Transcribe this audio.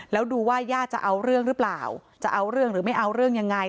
แล้วดูว่าย่าจะเอาเรื่องหรือเปล่าจะเอาเรื่องหรือไม่เอาเรื่องยังไง